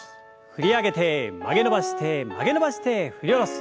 振り上げて曲げ伸ばして曲げ伸ばして振り下ろす。